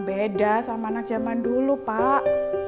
beda sama anak zaman dulu pak